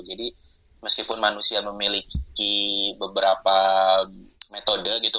jadi meskipun manusia memiliki beberapa metode gitu